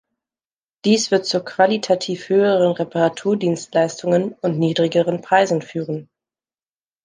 Dies wird zu qualitativ höheren Reparaturdienstleistungen und niedrigeren Preisen führen.